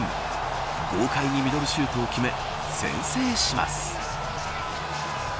豪快にミドルシュートを決め先制します。